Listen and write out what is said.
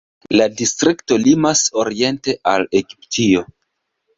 La distrikto limas oriente al Egiptio.